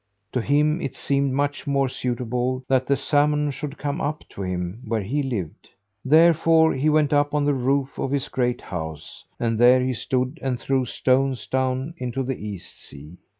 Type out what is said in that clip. To him it seemed much more suitable that the salmon should come up to him, where he lived. "Therefore, he went up on the roof of his great house; and there he stood and threw stones down into the East sea.